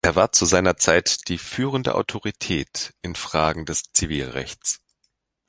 Er war zu seiner Zeit die führende Autorität in Fragen des Zivilrechts.